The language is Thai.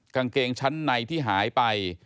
กางเกงชั้นในที่หายไป